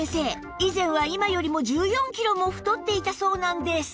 以前は今よりも１４キロも太っていたそうなんです